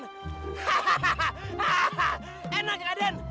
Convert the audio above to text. hahaha enak raden